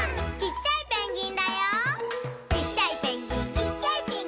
「ちっちゃいペンギン」